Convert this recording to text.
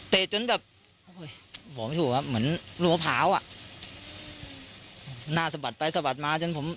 จนแบบโอ้โหบอกไม่ถูกครับเหมือนหัวขาวอ่ะหน้าสะบัดไปสะบัดมาจนผม